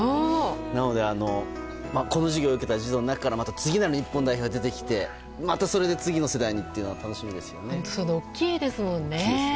なので、この授業を受けた児童の中からまた次なる日本代表が出てきてまたそれで次の世代にっていうの大きいですもんね。